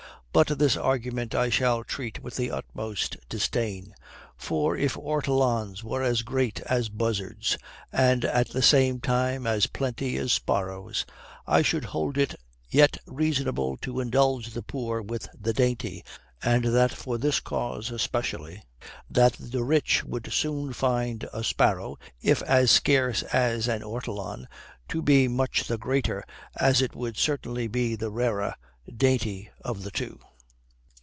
But this argument I shall treat with the utmost disdain: for if ortolans were as big as buzzards, and at the same time as plenty as sparrows, I should hold it yet reasonable to indulge the poor with the dainty, and that for this cause especially, that the rich would soon find a sparrow, if as scarce as an ortolan, to be much the greater, as it would certainly be the rarer, dainty of the two.